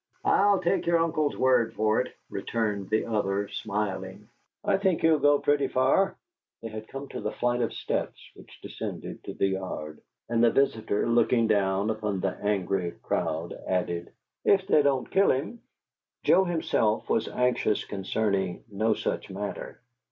"I'll take your uncle's word for it," returned the other, smiling. "I think he'll go pretty far." They had come to the flight of steps which descended to the yard, and the visitor, looking down upon the angry crowd, added, "If they don't kill him!" Joe himself was anxious concerning no such matter.